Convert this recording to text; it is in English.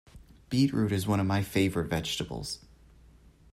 Beetroot is one of my favourite vegetables